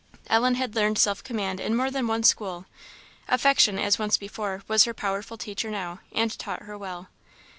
Ellen had learned self command in more than one school; affection, as once before, was her powerful teacher now, and taught her well.